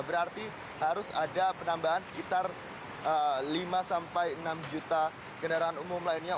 berarti harus ada penambahan sekitar lima sampai enam juta kendaraan umum lainnya